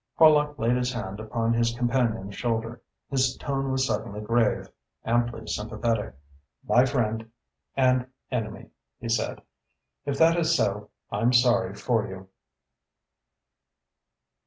Horlock laid his hand upon his companion's shoulder. His tone was suddenly grave amply sympathetic. "My friend and enemy," he said. "If that is so I'm sorry for you."